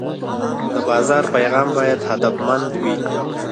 د بازار پیغام باید هدفمند وي.